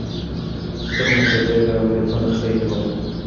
سورمخي ږيره او برېتونه خرييلي وو.